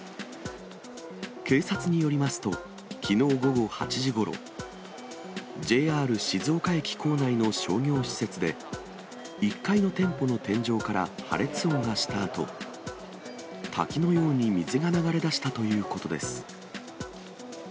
警察によりますと、きのう午後８時ごろ、ＪＲ静岡駅構内の商業施設で、１階の店舗の天井から破裂音がしたあと、滝のように水が流れだしたということです。